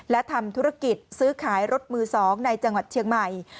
และทำธุรกิจซื้อขายรถมือ๒ในจังหวัดเชียงใหม่